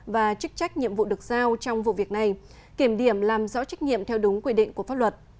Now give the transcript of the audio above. và chức trách nhiệm vụ được giao trong vụ việc này kiểm điểm làm rõ trách nhiệm theo đúng quy định của pháp luật